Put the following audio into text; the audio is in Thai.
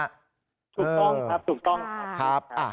ถูกต้องครับถูกต้องครับ